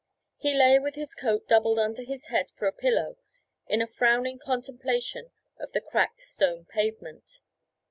He lay with his coat doubled under his head for a pillow, in a frowning contemplation of the cracked stone pavement.